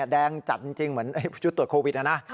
แดงจัดจริงเหมือนชุดตรวจโควิดนะนะ